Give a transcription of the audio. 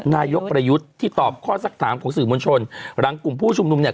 นายกประยุทธ์ที่ตอบข้อสักถามของสื่อมวลชนหลังกลุ่มผู้ชุมนุมเนี่ย